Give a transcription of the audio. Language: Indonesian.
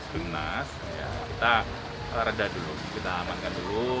timnas kita reda dulu kita amankan dulu